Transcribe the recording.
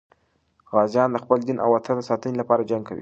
غازیان د خپل دین او وطن د ساتنې لپاره جنګ کوي.